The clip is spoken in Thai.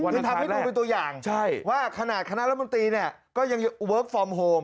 คือทำให้ดูเป็นตัวอย่างว่าขนาดคณะรัฐมนตรีเนี่ยก็ยังเวิร์คฟอร์มโฮม